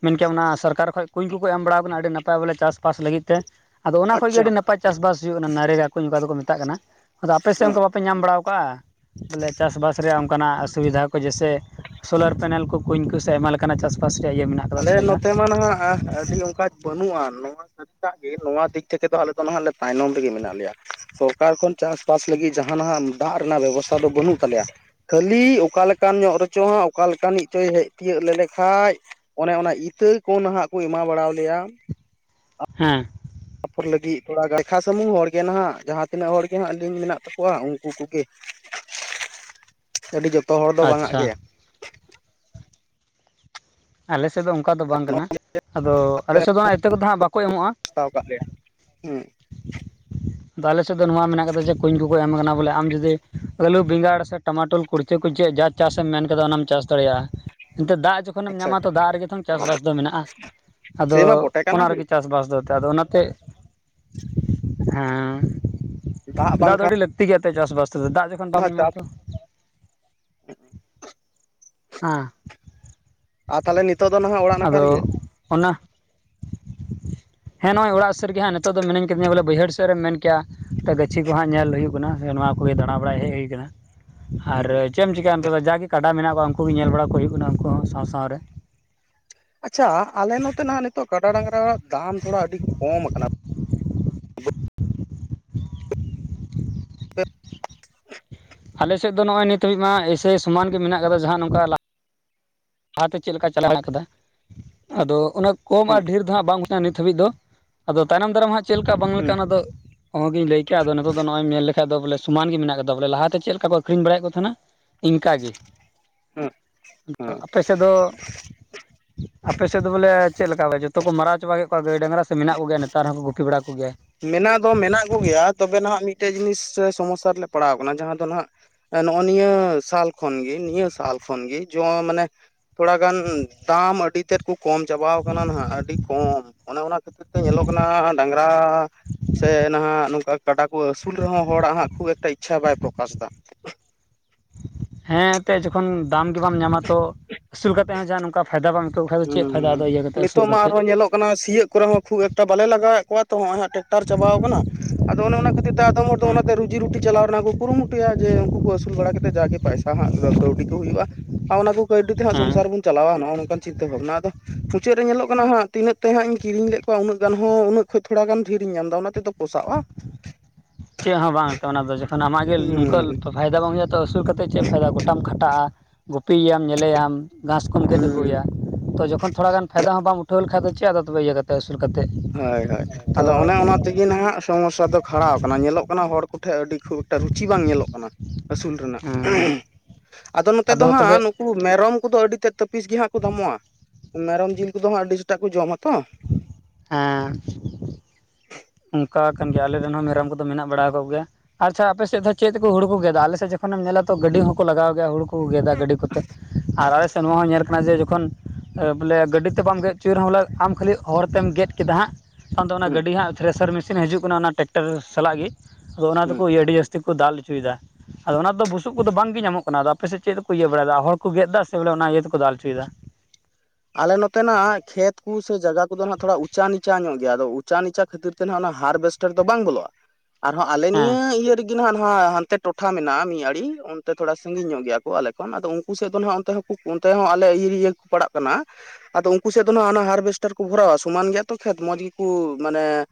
ᱢᱮᱱᱠᱟᱱ ᱚᱱᱟ ᱥᱚᱨᱠᱟᱨ ᱠᱷᱚᱡ ᱠᱩᱧ ᱠᱚᱠᱚ ᱮᱢ ᱵᱟᱲᱟᱣ ᱠᱟᱱᱟ ᱟᱹᱰᱤ ᱱᱟᱯᱟᱭ ᱵᱚᱞᱮ ᱪᱟᱥᱼᱵᱟᱥ ᱞᱟᱹᱜᱤᱫ ᱛᱮ ᱟᱫᱚ ᱚᱱᱟ ᱠᱷᱚᱱ ᱜᱮ ᱟᱪᱪᱷᱟ ᱟᱹᱰᱤ ᱱᱟᱯᱟᱭ ᱪᱟᱥᱵᱟᱥ ᱦᱩᱭᱩᱜ ᱠᱟᱱᱟ ᱱᱟᱜᱟ ᱠᱚ ᱱᱚᱝᱠᱟ ᱫᱚᱠᱚ ᱢᱮᱛᱟᱜ ᱠᱟᱱᱟ ᱟᱫᱚ ᱟᱯᱮ ᱥᱮᱫ ᱦᱮᱸ ᱚᱱᱠᱟ ᱵᱟᱯᱮ ᱧᱟᱢ ᱵ ᱵᱟᱲᱟᱫᱟ ᱣᱟ ᱵᱚᱞᱮ ᱪᱟᱥᱵᱟᱥ ᱨᱮᱭᱟᱜ ᱚᱱᱠᱟᱱᱟᱜ ᱚᱥᱩᱵᱤᱫᱟ ᱠᱚ ᱠᱚ ᱡᱮᱭᱥᱮ ᱥᱳᱞᱟᱨ ᱯᱮᱱᱮᱞ ᱠᱚ ᱠᱩᱧ ᱠᱚ ᱥᱮ ᱟᱭᱢᱟ ᱞᱮᱠᱟᱱᱟᱜ ᱪᱟᱥᱵᱟᱥ ᱨᱮᱭᱟᱜ ᱤᱭᱟᱹ ᱢᱮᱱᱟᱜ ᱟᱠᱟᱫᱟ ᱟᱞᱮ ᱥᱩᱵᱤᱫᱷᱟ ᱱᱚᱛᱮ ᱢᱟᱱᱦᱟᱜ ᱟᱹᱰᱤ ᱚᱱᱠᱟ ᱵᱟᱹᱱᱩᱜᱼᱟ ᱱᱚᱣᱟ ᱥᱟᱹᱨᱤᱟᱜ ᱜᱮ ᱱᱚᱣᱟ ᱫᱤᱠ ᱛᱷᱮᱠᱮ ᱫᱚ ᱟᱞᱮᱚ ᱫᱚ ᱱᱟᱦᱮ ᱛᱟᱭᱱᱚᱢ ᱨᱮᱜᱮ ᱢᱮᱱᱟᱜ ᱞᱮᱭᱟ ᱥᱚᱨᱠᱟᱨ ᱠᱷᱚᱱ ᱪᱟᱥᱵᱟᱥ ᱞᱮ ᱡᱟᱦᱟᱱᱟᱜ ᱫᱟᱜ ᱨᱮᱱᱟᱜ ᱵᱮᱵᱚᱥᱛᱷᱟ ᱫᱚ ᱵᱟᱹᱱᱩᱜ ᱛᱟᱞᱮᱭᱟ ᱠᱷᱟᱹᱞᱤ ᱚᱠᱟ ᱞᱮᱠᱟᱱ ᱧᱚᱜ ᱨᱮᱪᱚ ᱦᱟᱸᱜ ᱚᱠᱟ ᱞᱮᱠᱟᱱᱤᱡᱪᱚᱭ ᱦᱮᱡ ᱛᱤᱭᱳᱜ ᱞᱮᱞᱮᱠᱷᱟᱡ ᱚᱱᱮ ᱚᱱᱟ ᱤᱛᱟᱹ ᱠᱚ ᱱᱟᱦᱟᱜ ᱠᱚ ᱮᱢᱟ ᱵᱟᱲᱟ ᱣᱟᱞᱮᱭᱟ ᱦᱮᱸ ᱯᱷᱚᱨ ᱞᱟᱹᱜᱤᱫ ᱛᱷᱚᱲᱟ ᱜᱟᱱ ᱞᱮᱠᱷᱟ ᱥᱩᱢᱩᱝ ᱦᱚᱲᱜᱮ ᱱᱟᱦᱜ ᱡᱟᱦᱟᱸ ᱛᱤᱱᱟᱹᱜ ᱦᱚᱲᱜᱮ ᱦᱟᱸᱜ ᱞᱤᱧ ᱢᱮᱱᱟᱜ ᱛᱟᱠᱚᱣᱟ ᱩᱱᱠᱩ ᱠᱚᱜᱮ [inaudible] ᱟᱹᱰᱤ ᱡᱚᱛᱚ ᱦᱚᱲ ᱫᱚ ᱵᱟᱝᱟᱜ ᱟᱪᱪᱷᱟ ᱜᱮ ᱟᱞᱮ ᱥᱮᱫ ᱫᱚ ᱚᱱᱠᱟ ᱫᱚ ᱵᱟᱝ ᱠᱟᱱᱟ ᱟᱫᱚ ᱟᱞᱮ ᱟᱯᱮ ᱥᱮᱫ ᱫᱚ ᱤᱛᱟᱹ ᱠᱚᱫᱚ ᱦᱟᱸᱜ ᱵᱟᱠᱚ ᱮᱢᱚᱜᱼᱟ ᱦᱟᱛᱟᱣ ᱠᱟᱜ ᱞᱮᱭᱟ ᱦᱩᱸ [inaudible] ᱟᱫᱚ ᱟᱞᱮᱮᱥᱮᱫ ᱫᱚ ᱱᱚᱣᱟ ᱢᱮᱱᱟᱜ ᱟᱠᱟᱫᱟ ᱡᱮ ᱠᱩᱧ ᱠᱚᱠᱚ ᱮᱢ ᱟᱠᱟᱱᱟ ᱵᱚᱞᱮ ᱟᱢ ᱡᱩᱫᱤ ᱟᱞᱩ ᱵᱮᱸᱜᱟᱲ ᱥᱮ ᱴᱟᱢᱟᱴᱳ ᱠᱩᱲᱪᱟᱹ ᱠᱚ ᱪᱮᱫ? ᱡᱟ ᱪᱟᱥᱮ ᱮᱢ ᱢᱮᱱ ᱠᱟᱫᱟ ᱚᱱᱟᱢ ᱪᱟᱥ ᱫᱟᱲᱮᱭᱟᱜᱼᱟ ᱮᱱᱛᱮᱜ ᱫᱟᱜ ᱡᱚᱠᱷᱚᱱᱮᱢ ᱟᱪᱪᱷᱟ ᱧᱟᱢᱟ ᱟᱪᱪᱷᱟ ᱛᱚ ᱫᱟᱜ ᱨᱮᱜᱮ ᱛᱚᱝ ᱪᱟᱥᱵᱟᱥ ᱫᱚ ᱢᱮᱱᱟᱜᱼᱟ ᱟᱫᱚ ᱥᱮᱢᱟ ᱵᱚᱴᱮ ᱠᱟᱱᱟ ᱚᱱᱟ ᱜᱮ ᱨᱮᱜᱮ ᱪᱟᱥᱵᱟᱥ ᱫᱚ ᱮᱛᱮᱜ ᱟᱫᱚ ᱚᱱᱟᱛᱮ ᱦᱮᱸ ᱫᱟᱜ ᱫᱚ ᱟᱹᱰᱤ ᱞᱟᱹᱠᱛᱤ ᱜᱮᱭᱟ ᱮᱛᱮᱜ ᱪᱟᱥᱼᱵᱟᱥ ᱛᱚᱵᱮ ᱫᱟᱜ ᱡᱚᱠᱷᱚᱱ ᱵᱟᱢ ᱦᱟᱸᱜ ᱧᱟᱢᱟ ᱪᱟᱥ ᱛᱚ ᱦᱮᱸ ᱟᱨ ᱛᱟᱦᱞᱮ ᱱᱤᱛᱳᱜ ᱫᱚ ᱱᱟᱦᱟᱜ ᱚᱲᱟᱜ ᱱᱟᱠᱷᱟ ᱟᱫᱚ ᱨᱮᱜᱮ ᱚᱱᱟ ᱦᱮᱸ ᱱᱚᱜᱼᱚᱭ ᱚᱲᱟᱜ ᱥᱟᱹᱨᱜᱮᱸ ᱱᱮ ᱱᱤᱛᱚᱜ ᱫᱚ ᱢᱤᱱᱟᱹᱧ ᱠᱟᱫᱤᱧᱟ ᱵᱚᱞᱮ ᱵᱟᱹᱭᱦᱟᱹᱲ ᱥᱮᱫ ᱨᱮᱢ ᱢᱮᱱ ᱠᱮᱭᱟ ᱛ ᱜᱟᱹᱪᱷᱤ ᱠᱚ ᱦᱟᱸᱜ ᱧᱮᱞ ᱦᱩᱭᱩᱜ ᱠᱟᱱᱟ ᱥᱮ ᱱᱚᱣᱟ ᱠᱚᱜᱮ ᱫᱟᱬᱟ ᱵᱟᱲᱟᱭ ᱦᱮᱡ ᱦᱩᱭ ᱟᱠᱟᱱᱟ ᱟᱨ ᱦᱩᱸ ᱪᱮᱫ ᱮᱢ ᱪᱤᱠᱟᱹᱭᱟ ᱱᱤᱛᱚᱜ ᱫᱚ ᱡᱟᱜᱮ ᱠᱟᱰᱟ ᱢᱮᱱᱟᱜ ᱩᱱᱠᱩ ᱜᱮ ᱧᱮᱞ ᱵᱟᱲᱟ ᱠᱚ ᱦᱩᱭᱩᱜ ᱠᱟᱱᱟ ᱩᱱᱠᱩ ᱦᱚᱸ ᱥᱟᱶ ᱥᱟᱶ ᱨᱮ ᱟᱪᱪᱷᱟ ᱟᱞᱮ ᱱᱚᱛᱮ ᱱᱟᱜ ᱱᱤᱛᱚᱜ ᱠᱟᱰᱟ ᱰᱟᱝᱨᱟ ᱫᱟᱢ ᱛᱷᱚᱲᱟ ᱟᱹᱰᱤ ᱠᱚᱢ ᱠᱟᱱᱟ [unintelligible] ᱦ ᱟᱞᱮ ᱥᱮᱫ ᱫᱚ ᱱᱚᱜᱼᱚᱭ ᱱᱤᱛᱟᱹᱵᱤᱡ ᱢᱟ ᱮᱭᱥᱮ ᱥᱚᱢᱟᱱ ᱜᱮ ᱢᱮᱱᱟᱜ ᱠᱟᱫᱟ ᱡᱟᱦᱟᱸ ᱱᱚᱝᱠᱟ ᱞᱟ ᱞᱟᱦᱟᱛᱮ ᱪᱮᱫ ᱞᱮᱠᱟ ᱪᱟᱞᱟᱣ ᱠᱟᱫᱟ ᱟᱫᱚ ᱚᱱᱟ ᱠᱚᱢ ᱟᱨ ᱦᱩᱸ ᱰᱷᱮᱨ ᱫᱚ ᱦᱟᱸᱜ ᱵᱟᱝ ᱱᱤᱛ ᱦᱟᱹᱵᱤᱡ ᱫᱚ ᱟᱫᱚ ᱛᱟᱭᱚᱢᱱ ᱫᱟᱨᱟᱢ ᱦᱟᱸᱜ ᱪᱮᱫ ᱞᱮᱠᱟ ᱵᱟᱝ ᱦᱩᱸ ᱞᱮᱠᱟ ᱚᱱᱟ ᱫᱚ ᱚᱦ ᱜᱤᱧ ᱞᱮᱭᱠᱮᱭᱟ ᱟᱫᱚ ᱱᱤᱛᱚᱜ ᱫᱚ ᱱᱚᱜᱼᱚᱭ ᱢᱮᱱ ᱞᱮᱠᱷᱟᱡ ᱫᱚ ᱵᱚᱞᱮ ᱥᱚᱢᱟᱱ ᱜᱮ ᱢᱮᱱᱟᱜ ᱟᱠᱟᱫᱟ ᱵᱚᱞᱮ ᱞᱟᱦᱟᱛᱮ ᱪᱮᱫ ᱞᱮᱠᱟ ᱠᱚ ᱟᱹᱠᱷᱨᱤᱧ ᱵᱟᱲᱟᱭᱮᱫ ᱠᱚ ᱛᱟᱦᱮᱱᱟ ᱤᱧᱠᱟᱜᱮ ᱦᱮᱸ ᱦᱮᱸ ᱟᱯᱮ ᱥᱮᱫ ᱫᱚ ᱵᱚᱞᱮ ᱪᱮᱫ ᱞᱮᱠᱟᱯᱮ ᱡᱚᱛᱚ ᱠᱚ ᱢᱟᱨᱟᱣ ᱪᱟᱵᱟ ᱠᱮᱫ ᱠᱚᱣᱟ ᱜᱟᱹᱭ ᱰᱟᱝᱨᱟ ᱥᱮ ᱢᱮᱱᱟᱜ ᱠᱚᱮᱭᱟ ᱱᱮᱛᱟᱨ ᱦᱚᱸᱠᱚ ᱜᱩᱯᱤ ᱵᱟᱲᱟ ᱠᱚ ᱜᱮᱭᱟ ᱢᱮᱱᱟᱜ ᱫᱚ ᱢᱮᱱᱟᱜ ᱠᱚᱜᱮᱭᱟ ᱛᱚᱵᱮ ᱱᱟᱦᱟᱜ ᱢᱤᱫᱴᱮᱡ ᱡᱤᱱᱤᱥ ᱥᱚᱢᱚᱥᱥᱟ ᱨᱮᱞᱮ ᱯᱟᱲᱟᱣ ᱠᱟᱱᱟ ᱡᱟᱦᱟᱸ ᱫᱚ ᱱᱟᱦᱟᱜ ᱱᱚᱜᱚᱭ ᱱᱤᱭᱟᱹ ᱥᱟᱞ ᱠᱷᱚᱱᱜᱮ ᱱᱤᱭᱟᱹ ᱥᱟᱞ ᱠᱷᱚᱱᱜᱮ ᱡᱚ ᱢᱟᱱᱮ ᱛᱷᱚᱲᱟ ᱜᱟᱱ ᱟᱢ ᱟᱹᱰᱤ ᱛᱮᱫ ᱠᱩ ᱠᱚᱢ ᱪᱟᱵᱟᱟᱣ ᱟᱠᱟᱱᱟ ᱱᱟᱦᱟᱜ ᱟᱹᱰᱤ ᱠᱚᱢ ᱚᱱᱮ ᱚᱱᱟ ᱠᱷᱟᱹᱛᱤᱨ ᱛᱮ ᱧᱮᱞᱚᱜ ᱠᱟᱱᱟ ᱰᱟᱝᱨᱟ ᱥᱮ ᱱᱟᱦᱟᱜ ᱱᱚᱝᱠᱟ ᱠᱟᱰᱟ ᱠᱚ ᱟᱹᱥᱩᱞ ᱨᱮᱦᱚᱸ ᱦᱚᱲᱟᱜ ᱦᱟᱸᱜ ᱠᱷᱩᱵ ᱮᱠᱴᱟ ᱤᱪᱪᱷᱟ ᱵᱟᱭ ᱯᱨᱚᱠᱟᱥ ᱫᱟ [inaudible] ᱦᱮᱸ ᱮᱱᱛᱮᱫ ᱡᱚᱠᱷᱚᱱ ᱫᱟᱢ ᱜᱮ ᱵᱟᱢ ᱧᱟᱢᱟ ᱛᱚ ᱟᱹᱥᱩᱞ ᱠᱟᱛᱮ ᱦᱚᱸ ᱡᱟ ᱱᱚᱝᱠᱟ ᱯᱷᱟᱭᱫᱟ ᱵᱟᱢ ᱟᱹᱭᱠᱟᱹᱣ ᱠᱷᱟᱡ ᱫᱚ ᱪᱮᱫ ᱯᱷᱟᱭᱫᱟ ᱟᱫᱚ ᱦᱮᱸ ᱤᱭᱟᱹ ᱠᱟᱛᱮᱫ ᱟᱹᱥᱩᱞ ᱱᱤᱛᱚᱜ ᱢᱟ ᱠᱟᱛᱮᱫ ᱟᱨᱦᱚᱸ ᱧᱮᱞᱚᱜ ᱠᱟᱱᱟ ᱥᱤᱭᱳᱜ ᱠᱚᱨᱮ ᱦᱚᱸ ᱠᱷᱩᱵ ᱮᱠᱴᱟ ᱵᱟᱞᱮ ᱞᱟᱜᱟᱣᱮᱫ ᱟᱠ ᱛᱚ ᱦᱚᱸᱜᱚᱭ ᱦᱟᱸᱜ ᱴᱮᱨᱟᱠᱴ ᱪᱟᱵᱟᱣ ᱠᱟᱱᱟ ᱟᱫᱚ ᱚᱱᱮ ᱠᱷᱟᱹᱛᱤᱨ ᱟᱫᱚᱢ ᱦᱚᱲ ᱫᱚ ᱦᱮᱸ ᱚᱱᱟᱛᱮ ᱨᱩᱡᱤ ᱨᱩᱴᱤ ᱪᱟᱞᱟᱣ ᱨᱮᱱᱟᱜ ᱠᱩ ᱠᱩᱨᱩᱢᱴᱩᱭᱟ ᱡᱮ ᱩᱱᱠᱩ ᱟᱹᱥᱩᱞ ᱵᱟᱲᱟ ᱠᱟᱛᱮᱫ ᱡᱟᱜᱮ ᱯᱟᱭᱥᱟ ᱦᱟᱜ ᱠᱟᱹᱣᱰᱤ ᱠᱚ ᱦᱩᱭᱩᱜᱼᱟ ᱚᱱᱟ ᱠᱚ ᱠᱟᱹᱣᱰᱤ ᱛᱮᱦᱟᱸᱜ ᱦᱮᱸ ᱥᱚᱝᱥᱟᱨ ᱵᱚᱱ ᱪᱟᱞᱟᱣ ᱱᱚᱱᱠᱟᱟᱱ ᱪᱤ [unintelligible] ᱚᱱᱟ ᱟᱫᱚ ᱢᱩᱪᱟᱹᱫ ᱨᱮ ᱧᱮᱞᱚᱜ ᱠᱟᱱᱟ ᱦᱟᱸᱜ ᱛᱤᱱᱟᱹᱜ ᱛᱮ ᱦᱟᱸᱜ ᱤᱧ ᱠᱤᱨᱤᱧ ᱞᱮᱫ ᱠᱚᱣᱟ ᱩᱱᱟᱹᱜ ᱜᱟᱱ ᱩᱹᱜ ᱠᱷ ᱠᱷᱚᱱ ᱛᱷᱚᱲᱟ ᱜᱟᱱ ᱰᱷᱤᱨᱤᱧᱚᱜ ᱮᱱᱫᱚ ᱚᱱᱟ ᱛᱮᱫᱚ ᱯᱚᱥᱟᱜᱼᱟ ᱪᱮᱫ ᱦᱚᱸ ᱵᱟᱝᱛᱮ ᱚᱱᱟ ᱫᱚ ᱡᱟ ᱟᱢᱟᱜ ᱜᱮ ᱱᱚᱝᱠᱟ ᱦᱩᱸ ᱯᱷᱟᱭᱫᱟ ᱵᱟᱝ ᱦᱩᱭᱩᱜᱼᱟ ᱛᱚ ᱟᱹᱥᱩᱞ ᱠᱟᱛᱮᱫ ᱪᱮᱫ ᱯᱷᱟᱭᱫᱟ ᱜᱚᱴᱟᱢ ᱠᱷᱟᱴᱟᱜᱼᱟ ᱜᱩᱯᱤᱭᱮᱭᱟᱢ ᱧᱮᱞᱮᱭᱟᱢ ᱜᱷᱟᱥ ᱠᱚᱢ ᱜᱮᱫ ᱦᱩᱸ ᱟᱹᱜᱩᱭᱟ ᱛᱚ ᱡᱚᱠᱷᱚᱱ ᱛᱷᱚᱲᱟ ᱜᱟᱱ ᱯᱷᱟᱭᱫᱟ ᱦᱚᱸ ᱵᱟᱢ ᱩᱴᱷᱟᱹᱣ ᱞᱮᱠᱷᱷᱟᱡ ᱫᱚ ᱪᱮᱫ ᱪᱮ ᱫᱚ ᱛᱚᱵᱮ ᱤᱭᱟᱹ ᱠᱟᱛᱮ ᱟᱥᱩ ᱦᱳᱭ ᱦᱳᱭ ᱟᱫᱚ ᱚᱱᱮ ᱚᱱᱟ ᱛᱮᱜᱮ ᱱᱟᱦᱟᱜ ᱥᱚᱢᱚᱥᱥᱟ ᱫᱚ ᱠᱷᱟᱲᱟᱣ ᱠᱟᱱᱟ ᱧᱮᱞᱚᱜ ᱱᱟ ᱦᱚᱲ ᱠᱚᱴᱷᱮᱱ ᱟᱹᱰᱤ ᱠᱷᱩᱵ ᱮᱠᱴᱟ ᱨᱩᱪᱤ ᱵᱟᱝ ᱧᱮᱞᱚᱜ ᱠᱟᱱᱟ ᱟᱹᱥᱩᱞ ᱨᱮᱱᱟᱜ ᱟᱫᱚ ᱱᱚᱛᱮ ᱫᱚ ᱦᱟᱸᱜ ᱱᱩᱠᱩ ᱢᱮᱨᱚᱢ ᱠᱚᱫᱚ ᱟᱹᱰᱤ ᱛᱮᱫ ᱡᱚ ᱯᱤᱥ ᱜᱮ ᱦᱟᱸᱜ ᱠᱚ ᱫᱟᱢᱚᱜᱼᱟ ᱢᱮᱨᱚᱢ ᱡᱤᱞ ᱠᱚᱫᱚ ᱦᱟᱸᱜ ᱟᱹᱰᱤ ᱴᱟᱜ ᱠᱚ ᱡᱚᱢᱟ ᱛᱚ ᱦᱮᱸ ᱚᱱᱠᱟ ᱠᱟᱱ ᱜᱮᱭᱟ ᱟᱞᱮ ᱨᱮᱱ ᱦᱚᱸ ᱢᱮᱨᱚᱢ ᱠᱚᱫᱚ ᱢᱮᱱᱟᱜ ᱵᱟᱲᱟ ᱠᱚᱜ ᱜᱮᱭᱟ ᱟᱪᱪᱷᱟ ᱟᱯᱮ ᱥᱮᱫ ᱫᱚ ᱪᱮᱫ ᱛᱮᱠᱚ ᱦᱩᱲᱩ ᱠᱚ ᱜᱮᱫᱟ ᱟᱞᱮ ᱥᱮᱫ ᱡᱚᱠᱷᱚᱱ ᱛᱚᱠᱷᱚᱱᱮᱢ ᱧᱮᱞᱟ ᱛᱚ ᱜᱟᱹᱰᱤ ᱦᱚᱸᱠᱚ ᱞᱟᱜᱟᱣ ᱜᱮᱭᱟ ᱦᱩᱲᱩ ᱠᱚ ᱜᱮᱫᱟ ᱜᱟᱹᱰᱤ ᱠᱚᱛᱮ ᱟᱨ ᱟᱞᱮ ᱥᱮᱱ ᱱᱚᱣᱟ ᱦᱚᱸ ᱧᱮᱞ ᱠᱟᱱᱟ ᱡᱮ ᱛᱚᱠᱷᱚᱱ ᱵᱚᱞᱮ ᱜᱟᱹᱰᱤ ᱛᱮ ᱵᱟᱢ ᱜᱮᱫ ᱦᱚᱪᱚᱭ ᱨᱮᱦᱚᱸ ᱵᱚᱞᱮ ᱟᱢ ᱠᱷᱟᱹᱞᱤ ᱦᱚᱲᱛᱮᱢ ᱜᱮᱫ ᱠᱮᱫᱟ ᱦᱟᱸᱜ ᱠᱷᱟᱱ ᱫᱚ ᱚᱱᱟ ᱦᱩᱸ ᱜᱟᱹᱰᱤ ᱦᱟᱸᱜ ᱛᱨᱮᱥᱟᱨ ᱢᱮᱥᱤᱱ ᱦᱤᱡᱩᱜ ᱠᱟᱱᱟ ᱚᱱᱟ ᱴᱮᱠᱴᱟᱨ ᱥᱟᱞᱟᱜ ᱜᱮ ᱟᱫᱚ ᱚᱱᱟ ᱦᱩᱸ ᱛᱮᱠᱚ ᱟᱹᱰᱤ ᱡᱟᱹᱥᱛᱤ ᱠᱚ ᱫᱟᱞ ᱚᱪᱚᱭᱮᱫᱟ ᱟᱫᱚ ᱚᱱᱟ ᱫᱚ ᱵᱩᱥᱩᱵ ᱠᱚᱫᱚ ᱵᱟᱝ ᱜᱮ ᱧᱟᱢᱚᱜ ᱠᱟᱱᱟ ᱟᱯᱮᱥᱮᱫ ᱪᱮᱫ ᱫᱚᱠᱚ ᱤᱭᱟᱹ ᱵᱟᱲᱟᱭᱮᱫᱟ ᱦᱚᱲ ᱠᱚ ᱜᱮᱫ ᱮᱫᱟ ᱥᱮ ᱵᱚᱞᱮ ᱚᱱᱟ ᱤᱭᱟᱹ ᱛᱮᱠᱚ ᱫᱟᱞ ᱦᱚᱪᱚᱭᱮᱫᱟ ᱻ ᱟᱞᱮ ᱱᱚᱛᱮᱱᱟᱜ ᱠᱷᱮᱛ ᱠᱚ ᱥᱮ ᱡᱟᱭᱜᱟ ᱠᱚᱫᱚ ᱱᱟᱜ ᱛᱷᱚᱲᱟ ᱩᱪᱟ ᱱᱤᱪᱟ ᱧᱚᱜ ᱜᱮᱭᱟ ᱟᱫᱚ ᱩᱪᱟ ᱱᱤᱪᱟ ᱠᱷᱟᱹᱛᱤᱨ ᱛᱮᱱᱟᱜ ᱚᱱᱟ ᱦᱟᱨᱵᱮᱥᱴᱟᱨ ᱫᱚ ᱵᱟᱝ ᱵᱚᱞᱚᱜᱼᱟ ᱟᱨᱦᱚᱸ ᱟᱞᱮ ᱦᱮᱸ ᱱᱤᱭᱟᱹ ᱤᱭᱟᱹᱨᱮ ᱜᱮ ᱦᱟᱜ ᱦᱟᱱᱛᱮ ᱴᱚᱴᱷᱟ ᱢᱮᱱᱟᱜᱼᱟ ᱢᱤᱫ ᱟᱹᱰᱮ ᱚᱱᱛᱮ ᱛᱷᱚᱲᱟ ᱥᱟᱺᱜᱤᱧ ᱧᱚᱜ ᱜᱮᱭᱟ ᱠᱚ ᱟᱞᱮ ᱠᱷᱚᱱ ᱟᱫᱚ ᱩᱱᱠᱩ ᱥᱮᱫ ᱫᱚᱦᱟᱜ ᱚᱱᱛᱮ ᱦᱚᱸ ᱚᱱᱛᱮ ᱦᱚᱸ ᱟᱞᱮ ᱤᱭᱟᱹᱤᱭᱟᱹ ᱠᱚ ᱯᱟᱲᱟᱜ ᱠᱟᱱᱟ ᱟᱫᱚ ᱩᱱᱠᱩ ᱥᱮᱫ ᱫᱚ ᱦᱟᱜ ᱦᱟᱨᱵᱷᱮᱥᱴᱟᱨ ᱠᱚ ᱵᱷᱚᱨᱟᱣᱟ ᱥᱚᱢᱟᱱ ᱜᱮᱭᱟ ᱛᱚ ᱠᱷᱮᱛ ᱢᱚᱸᱡᱽ ᱜᱮᱠᱚ ᱢᱟᱱᱮ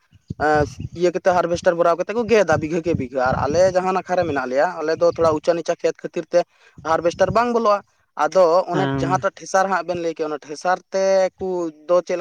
ᱮ ᱤᱭᱟᱹ ᱠᱟᱛᱮᱫ ᱦᱟᱨᱵᱷᱮᱥᱴᱟᱨ ᱵᱷᱚᱨᱟᱣ ᱠᱟᱛᱮᱫ ᱠᱚ ᱜᱮᱫᱟ ᱵᱤᱜᱷᱟᱹ ᱠᱮ ᱵᱤᱜᱷᱟᱹ ᱟᱨ ᱟᱞᱮ ᱡᱟᱦᱟᱸ ᱱᱟᱠᱷᱟ ᱨᱮ ᱢᱮᱱᱟᱜ ᱞᱮᱭᱟ ᱟᱞᱮ ᱫᱚ ᱛᱷᱚᱲᱟ ᱩᱪᱟᱹᱱ ᱱᱤᱪᱟ ᱠᱷᱮᱛ ᱠᱷᱟᱹᱛᱤᱨ ᱛᱮ ᱦᱟᱨᱵᱮᱥᱴᱟᱨ ᱵᱟᱝ ᱵᱚᱞᱚᱜᱼᱟ ᱟᱫᱚ ᱚᱱᱮ ᱦᱮᱸ ᱡᱟᱦᱟᱸᱴᱟᱜ ᱴᱷᱮᱥᱟᱨ ᱦᱟᱸᱜ ᱵᱮᱱ ᱞᱟᱹᱭ ᱠᱮᱫᱟ ᱚᱱᱟ ᱴᱷᱮᱥᱟᱨ ᱛᱮᱠᱚ ᱪᱮᱫ ᱞᱮᱠᱟ